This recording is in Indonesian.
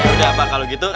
ya udah pak kalau gitu